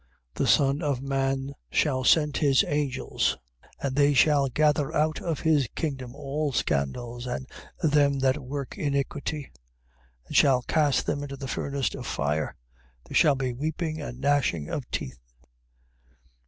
13:41. The Son of man shall send his angels, and they shall gather out of his kingdom all scandals, and them that work iniquity. 13:42. And shall cast them into the furnace of fire: there shall be weeping and gnashing of teeth.